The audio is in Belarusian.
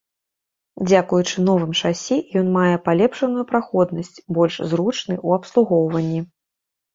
Дзякуючы новым шасі ён мае палепшаную праходнасць, больш зручны ў абслугоўванні.